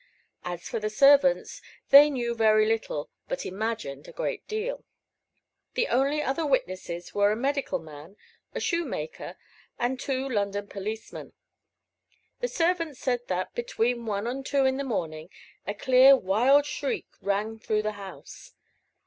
As for the servants, they knew very little, but imagined a great deal. The only other witnesses were a medical man, a shoemaker, and two London policemen. The servants said that, between one and two in the morning, a clear, wild shriek rang through the house.